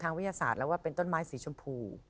วิทยาศาสตร์แล้วว่าเป็นต้นไม้สีชมพู